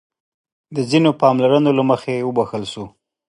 د ځينو پاملرنو له مخې وبښل شو.